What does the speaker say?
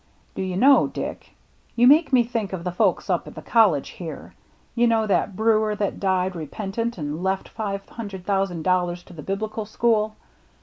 " Do you know, Dick, you make me think of the folks up at the college here. You know that brewer that died repentant and left five hundred thousand dollars to the Biblical School